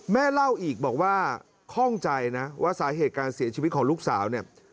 แม่เล่าอีกบอกว่าข้องใจนะว่าสาเหตุการเสียชีวิตของลูกสาวเนี่ย